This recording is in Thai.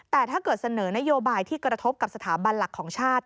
แต่ถ้าเกิดเสนอนโยบายที่กระทบกับสถาบันหลักของชาติ